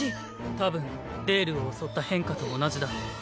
たぶんデールを襲った変化と同じだ。